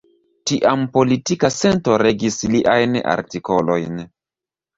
Tiam politika sento regis liajn artikolojn.